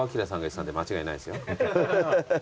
間違いないですよ。